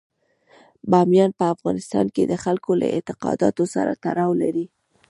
بامیان په افغانستان کې د خلکو له اعتقاداتو سره تړاو لري.